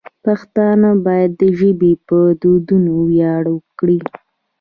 پښتانه باید د ژبې پر دودونو ویاړ وکړي.